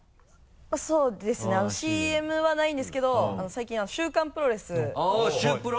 そうですねＣＭはないんですけど最近「週刊プロレス」あっ「週プロ」？